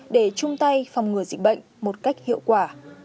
để chung tay phòng ngừa dịch bệnh một cách hiệu quả